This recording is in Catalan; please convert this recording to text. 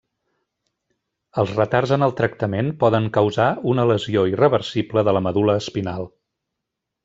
Els retards en el tractament poden causar una lesió irreversible de la medul·la espinal.